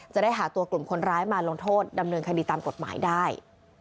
จะได้หาตัวกลุ่มคนร้ายมาลงโทษดำเนินคดีตามกฎหมายได้